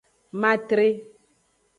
Matre.